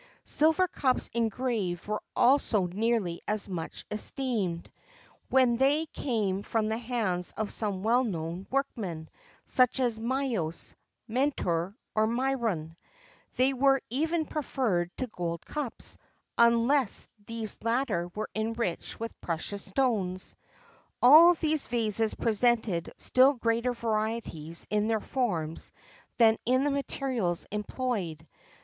Silver cups engraved were also nearly as much esteemed, when they came from the hands of some well known workman such as Myos, Mentor, or Myron.[XXVII 43] They were even preferred to gold cups,[XXVII 44] unless these latter were enriched with precious stones.[XXVII 45] All these vases presented still greater varieties in their forms than in the materials employed.